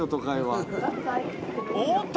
おーっと